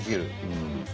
うん。